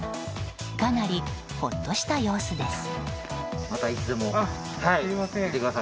かなりほっとした様子です。